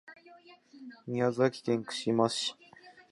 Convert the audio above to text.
宮崎県串間市